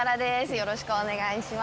よろしくお願いします。